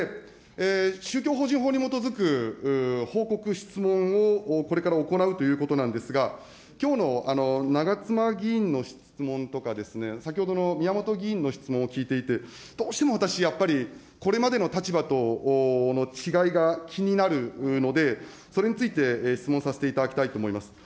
宗教法人法に基づく報告、質問をこれから行うということなんですが、きょうの長妻議員の質問とかですね、先ほどの宮本議員の質問を聞いていて、どうしても私、やっぱりこれまでの立場との違いが気になるので、それについて、質問させていただきたいと思います。